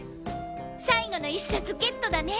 最後の１冊ゲットだね！